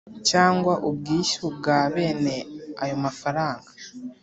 cyangwa ubwishyu bwa bene ayo mafaranga.